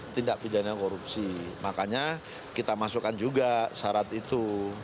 tindak pidana korupsi makanya kita masukkan juga syarat itu